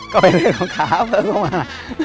ก็เป็นเรื่องของขาเพิ่งก็มา